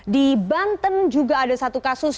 di banten juga ada satu kasus